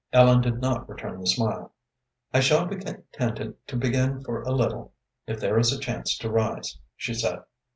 Ellen did not return the smile. "I shall be contented to begin for a little, if there is a chance to rise," she said.